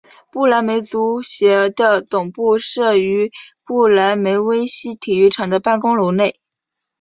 不来梅足协的总部设于不来梅威悉体育场的办公楼内。